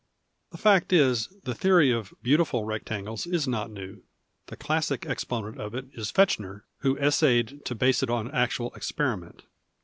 The fact is the theory of " beautiful " rectangles is not new. The classic exponent of it is Fechner, who essayed to base it on actual experiment.